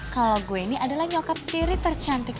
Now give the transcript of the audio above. kalo gue ini adalah nyokap tiri tercantik lu